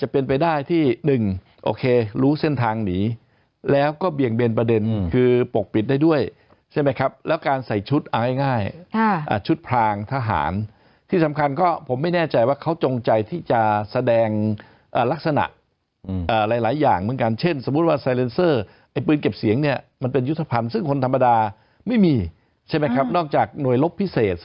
เป็นไปได้ที่๑โอเครู้เส้นทางหนีแล้วก็เบี่ยงเบนประเด็นคือปกปิดได้ด้วยใช่ไหมครับแล้วการใส่ชุดเอาง่ายชุดพรางทหารที่สำคัญก็ผมไม่แน่ใจว่าเขาจงใจที่จะแสดงลักษณะหลายอย่างเหมือนกันเช่นสมมุติว่าไซเลนเซอร์ไอ้ปืนเก็บเสียงเนี่ยมันเป็นยุทธภัณฑ์ซึ่งคนธรรมดาไม่มีใช่ไหมครับนอกจากหน่วยลบพิเศษ